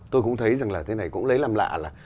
tôi cũng thấy rằng là thế này cũng lấy làm lạ là